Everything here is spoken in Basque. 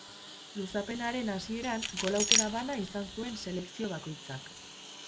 Luzapenaren hasieran gol aukera bana izan zuen selekzio bakoitzak.